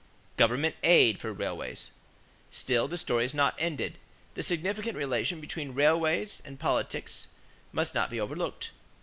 =Government Aid for Railways.= Still the story is not ended. The significant relation between railways and politics must not be overlooked.